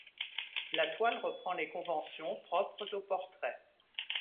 La toile reprend les conventions propres au portrait.